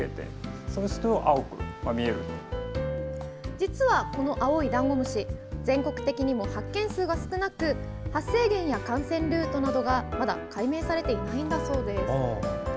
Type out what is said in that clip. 実は、この青いダンゴムシ全国的にも発見数が少なく発生源や感染ルートなどが、まだ解明されていないんだそうです。